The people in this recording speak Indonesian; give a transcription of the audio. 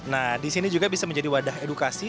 nah di sini juga bisa menjadi wadah edukasi